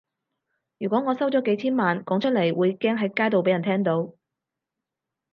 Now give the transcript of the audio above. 如果我收咗幾千萬，講出嚟會驚喺街度畀人聽到